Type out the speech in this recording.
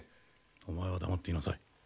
お前は黙っていなさい。